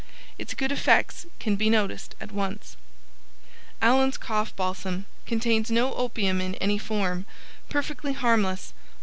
Its good effects can be noticed at once. ALLEN'S COUGH BALSAM Contains no opium in any form. Perfectly harmless.